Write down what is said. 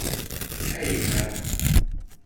Yhat